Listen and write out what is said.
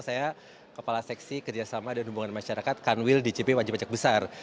saya kepala seksi kerjasama dan hubungan masyarakat kanwil dcp wajib pajak besar